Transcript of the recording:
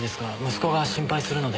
息子が心配するので。